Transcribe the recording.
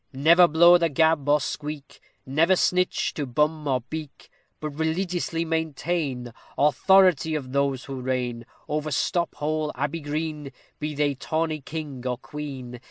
Never blow the gab, or squeak; Never snitch to bum or beak; But religiously maintain Authority of those who reign Over Stop Hole Abbey Green, Be they tawny king, or queen.